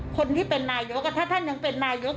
คนที่เป็นนายกถ้าท่านยังเป็นนายก